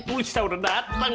tulisnya udah dateng